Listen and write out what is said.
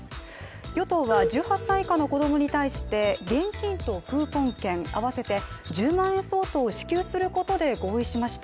与党は１８歳以下の子供に対して現金とクーポン券合わせて１０万円相当を支給することで合意しました。